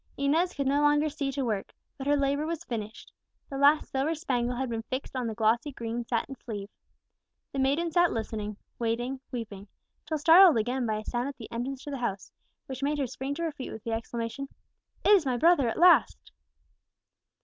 Inez could no longer see to work; but her labour was finished the last silver spangle had been fixed on the glossy green satin sleeve. The maiden sat listening, waiting, weeping, till startled again by a sound at the entrance to the house, which made her spring to her feet with the exclamation, "It is my brother at last!"